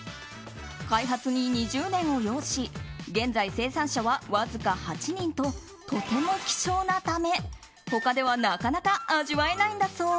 開発に２０年を要し現在、生産者はわずか８人ととても希少なため他ではなかなか味わえないんだそう。